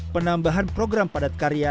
penambahan program padat karya